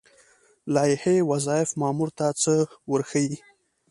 لایحه وظایف مامور ته څه ورښيي؟